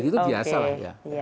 itu biasa lah ya